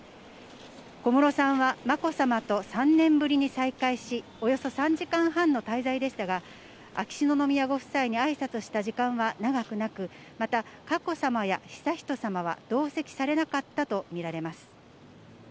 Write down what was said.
小室さんはまこさまと３年ぶりに再会し、およそ３時間半の滞在でしたが、秋篠宮ご夫妻にあいさつした時間は長くなく、また佳子さまや悠仁さまは、同席されなかったと見られます。